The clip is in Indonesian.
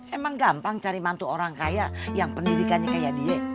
emang gampang cari mantu orang kaya yang pendidikannya kayak die